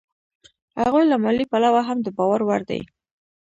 هغوی له مالي پلوه هم د باور وړ دي